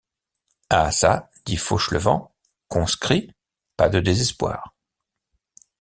Ah çà, dit Fauchelevent, conscrit, pas de désespoir.